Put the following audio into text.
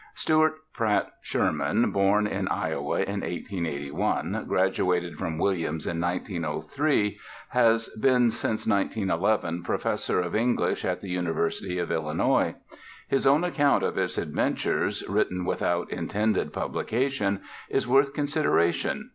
Stuart Pratt Sherman, born in Iowa in 1881, graduated from Williams in 1903, has been since 1911 professor of English at the University of Illinois. His own account of his adventures, written without intended publication, is worth consideration.